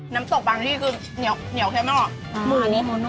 น้ำตกบ้างที่คือเหนียวเค็มน่ะเหรอ